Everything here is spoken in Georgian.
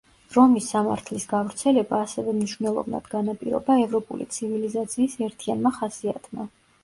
რომის სამართლის გავრცელება ასევე მნიშვნელოვნად განაპირობა ევროპული ცივილიზაციის ერთიანმა ხასიათმა.